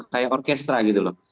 kayak orkestra gitu loh